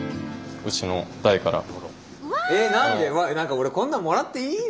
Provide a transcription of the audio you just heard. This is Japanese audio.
うわっ何か俺こんなんもらっていいの？